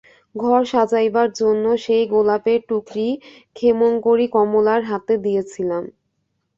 ঘর সাজাইবার জন্য সেই গোলাপের টুকরি ক্ষেমংকরী কমলার হাতে দিয়াছিলেন।